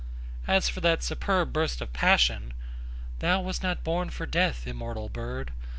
As for that superb burst of passion, Thou wast not born for death, immortal Bird!